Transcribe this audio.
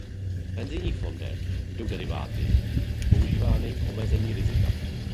V penzijních fondech jdou deriváty používány k omezení rizika.